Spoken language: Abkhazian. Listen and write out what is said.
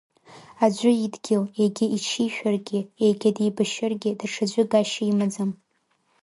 Аӡәы идгьыл, егьа иҽишәаргьы, егьа деибашьыргьы, даҽаӡәы гашьа имаӡам…